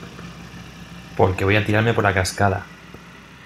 porque voy a tirarme por la cascada.